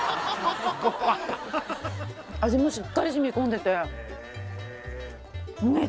味もしっかりしみこんでてへえ